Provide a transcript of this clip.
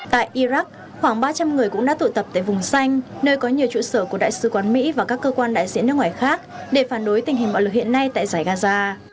tại iraq khoảng ba trăm linh người cũng đã tụ tập tại vùng xanh nơi có nhiều trụ sở của đại sứ quán mỹ và các cơ quan đại diện nước ngoài khác để phản đối tình hình bạo lực hiện nay tại giải gaza